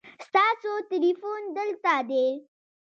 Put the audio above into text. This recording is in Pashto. ستاسو تلیفون دلته دی